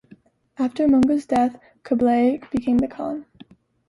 After Munga's death, Kublai became the Khan.